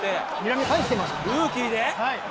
ルーキーで？